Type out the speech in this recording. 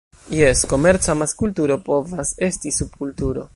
Jes, komerca amaskulturo povas esti subkulturo.